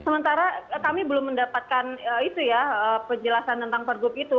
sementara kami belum mendapatkan itu ya penjelasan tentang pergub itu